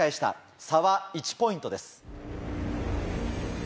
差は１ポイントです。